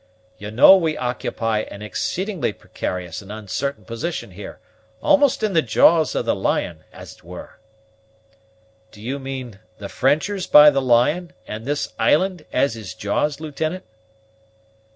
You know we occupy an exceedingly precarious and uncertain position here, almost in the jaws of the lion, as it were?" "Do you mean the Frenchers by the lion, and this island as his jaws, Lieutenant?"